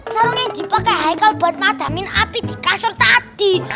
sarunya yang dipakai haikal buat nadamin api di kasur tadi